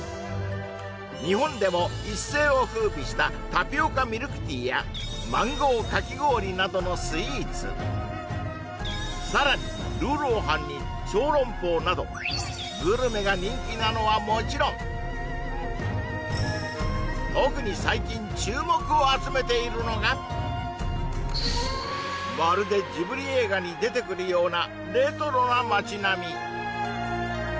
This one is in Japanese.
日本でも一世を風靡したタピオカミルクティーやマンゴーかき氷などのスイーツさらに魯肉飯に小籠包などグルメが人気なのはもちろん特に最近注目を集めているのがまるでジブリ映画に出てくるようなレトロな街並み